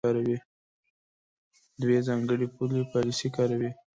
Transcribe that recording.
دوی ځانګړې پولي پالیسۍ کاروي.